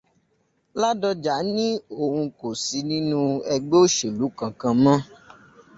Ládọjà ní òun kò sí nínú ẹgbẹ́ òṣèlú kankan mọ́